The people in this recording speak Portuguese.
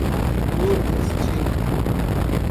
Nordestina